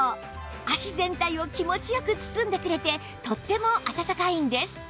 足全体を気持ち良く包んでくれてとってもあたたかいんです